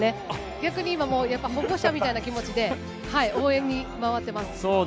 逆に保護者みたいな気持ちで応援に回っています。